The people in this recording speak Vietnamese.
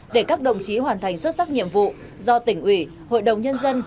để các đồng chí hoàn thành xuất sắc nhiệm vụ do tỉnh ủy hội đồng nhân dân